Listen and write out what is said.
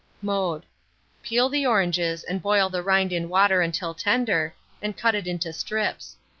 Mode. Peel the oranges and boil the rind in water until tender, and cut it into strips.